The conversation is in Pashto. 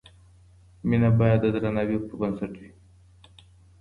مینه باید د درناوي پر بنسټ وي.